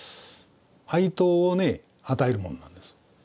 愛刀をね与えるものなんです。